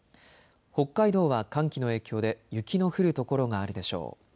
北海道は寒気の影響で雪の降る所があるでしょう。